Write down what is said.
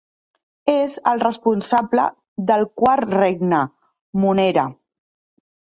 És el responsable del quart regne, Monera.